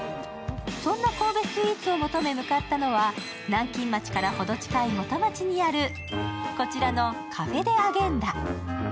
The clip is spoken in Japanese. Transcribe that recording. そんな神戸スイーツを求め向かったのは、南京町からほど近い元町にあるこちらのカフェ・デ・アゲンダ。